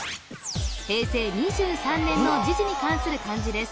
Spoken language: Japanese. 平成２３年の時事に関する漢字です